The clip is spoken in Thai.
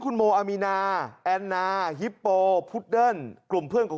คุณโมอามีนาแอนนาฮิปโปพุดเดิ้ลกลุ่มเพื่อนของ